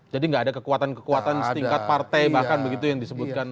jadi enggak ada kekuatan kekuatan setingkat partai bahkan begitu yang disebutkan